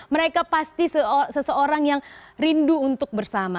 mereka pasti seseorang yang rindu untuk bersama